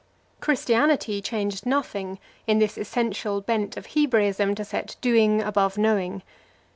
Christianity changed nothing in this essential bent of Hebraism to set doing above knowing.